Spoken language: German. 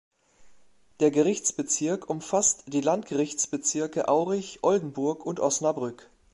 Der Gerichtsbezirk umfasst die Landgerichtsbezirke Aurich, Oldenburg und Osnabrück.